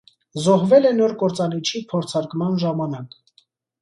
Զոհվել է նոր կործանիչի փորձարկման ժամանակ։